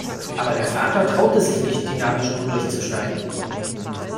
Aber der Vater traute sich nicht, die Nabelschnur durchzuschneiden.